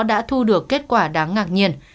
đã thu được kết quả đáng ngạc nhiên